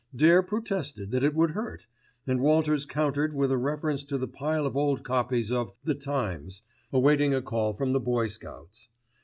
Dare protested that it would hurt, and Walters countered with a reference to the pile of old copies of The Times awaiting a call from the Boy Scouts.